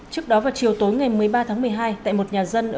trước đó vào chiều tối ngày một mươi ba tháng một mươi hai